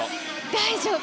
大丈夫！